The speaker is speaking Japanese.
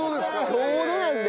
ちょうどなんで。